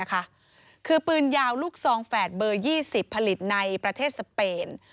คือปืนยาวลูกซองแฝดเบอร์๒๐ผลิตในประเทศสเปน